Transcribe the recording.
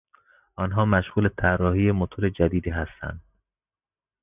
آنها مشغول طراحی موتور جدیدی هستند.